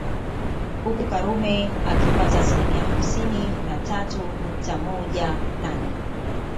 Huku Karume akipata asilimia hamsini na tatu nukta moja nane